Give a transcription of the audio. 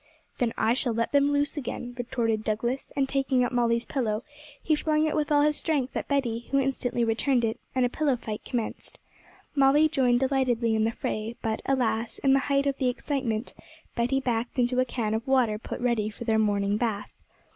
'Then I shall let them loose again,' retorted Douglas; and taking up Molly's pillow, he flung it with all his strength at Betty, who instantly returned it, and a pillow fight commenced. Molly joined delightedly in the fray; but, alas! in the height of the excitement, Betty backed into a can of water put ready for their morning bath.